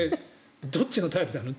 どっちのタイプなの？